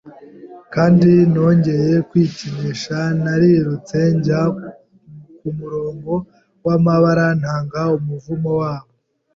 Kandi nongeye kwikinisha, narirutse njya kumurongo wamabara, ntanga umuvumo wabo